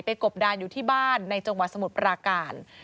กบดานอยู่ที่บ้านในจังหวัดสมุทรปราการ